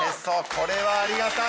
これはありがたい。